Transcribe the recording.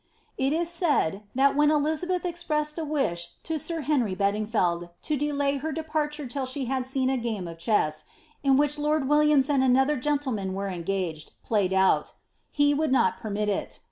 ' It ia eaid, that when Elisabeth ezprasaed a wiah to air Henry Badiof felJ, to delay her departure till ahe had aeen a game of cheas, in whin lord Williams and another gentleman were engaged, played out; ha would not permit it.